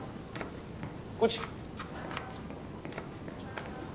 こっち。